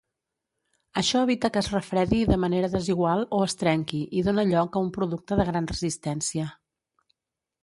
Això evita que es refredi de manera desigual o es trenqui i dona lloc a un producte de gran resistència.